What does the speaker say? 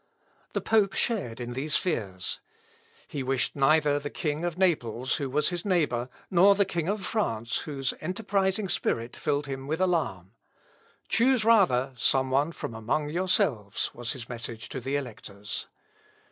The pope shared in these fears. He wished neither the king of Naples, who was his neighbour, nor the king of France, whose enterprising spirit filled him with alarm; "Choose rather some one from amongst yourselves," was his message to the electors.